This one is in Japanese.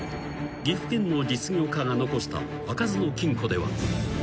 岐阜県の実業家が残した開かずの金庫では］